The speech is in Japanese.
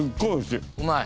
うまい？